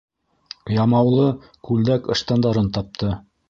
Ямаулы күлдәк-ыштандарын тапты.